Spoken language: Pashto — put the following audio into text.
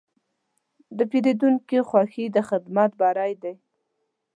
د پیرودونکي خوښي د خدمت بری دی.